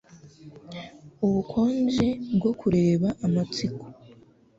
Ubukonje bwo kureba amatsiko